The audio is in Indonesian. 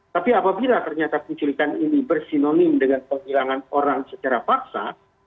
tapi apabila ternyata penculikan ini bersinonim dengan penghilangan orang secara paksa